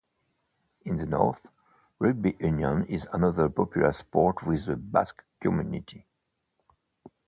In the north, rugby union is another popular sport with the Basque community.